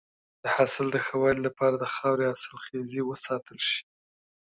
د حاصل د ښه والي لپاره د خاورې حاصلخیزی وساتل شي.